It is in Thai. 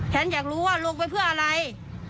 ฉันอยากรู้ว่าลงไปเพื่ออะไร